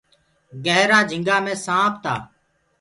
گيهرآ جھٚنِگآ مي سآنپ تآ۔